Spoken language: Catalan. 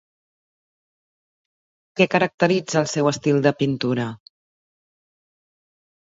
Què caracteritza el seu estil de pintura?